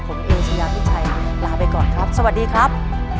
ผมเอเชยาพิชัยลาไปก่อนครับสวัสดีครับ